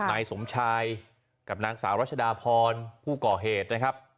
นายสมชายกับนางสาวรัชดาพรผู้ก่อเหตุนะครับ